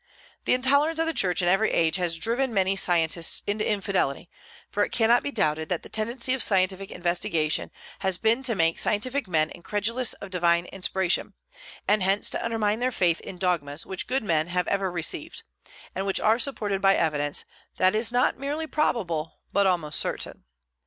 The intolerance of the Church in every age has driven many scientists into infidelity; for it cannot be doubted that the tendency of scientific investigation has been to make scientific men incredulous of divine inspiration, and hence to undermine their faith in dogmas which good men have ever received, and which are supported by evidence that is not merely probable but almost certain.